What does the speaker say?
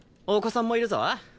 お子さんもいるぞ。